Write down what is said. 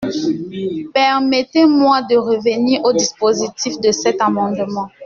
Permettez-moi de revenir au dispositif de cet amendement.